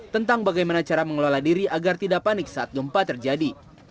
tentang bagaimana cara mengelola diri agar tidak panik saat gempa terjadi